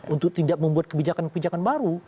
untuk tidak membuat kebijakan kebijakan baru